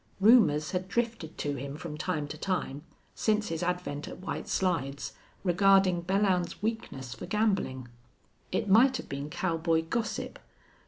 Rumors had drifted to him from time to time, since his advent at White Slides, regarding Belllounds's weakness for gambling. It might have been cowboy gossip.